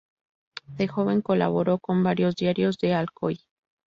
De joven colaboró con varios diarios de Alcoy.